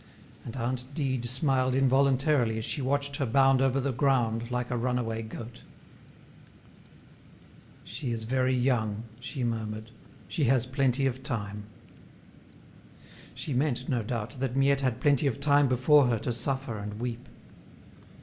And aunt Dide smiled involuntarily as she watched her bound over the ground like a runaway goat. "She is very young," she murmured, "she has plenty of time." She meant, no doubt, that Miette had plenty of time before her to suffer and weep.